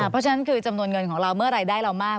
เพราะฉะนั้นคือจำนวนเงินของเราเมื่อรายได้เรามาก